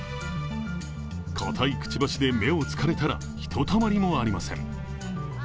硬いくちばしで目を突かれたらひとたまりもありません。